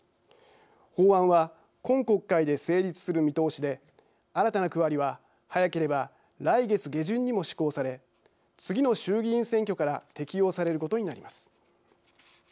法案は今国会で成立する見通しで新たな区割りは早ければ来月下旬にも施行され次の衆議院選挙から適用されることになります。